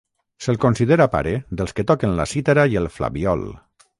Se'l considera pare dels que toquen la cítara i el flabiol.